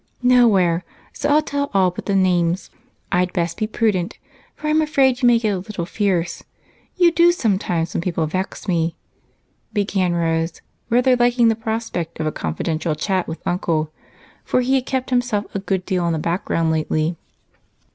"Nowhere so I'll tell all but the names. I'd best be prudent, for I'm afraid you may get a little fierce you do sometimes when people vex me," began Rose, rather liking the prospect of a confidential chat with Uncle, for he had kept himself a good deal in the background lately.